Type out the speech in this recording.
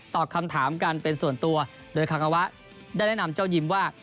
คำถามกันเป็นส่วนตัวโดยคางาวะได้แนะนำเจ้ายิมว่า